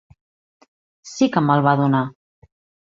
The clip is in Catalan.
Sí que me'l va donar.